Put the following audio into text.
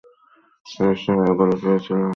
রুশমোরে এগুলো পেয়েছিলাম।